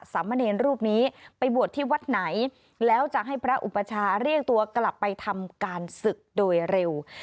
สามเณรรูปนี้ไปบวชที่วัดไหนแล้วจะให้พระอุปชาเรียกตัวกลับไปทำการศึกโดยเร็ว